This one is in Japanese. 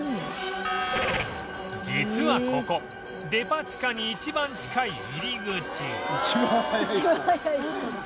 実はここデパ地下に一番近い入り口一番早い人だ。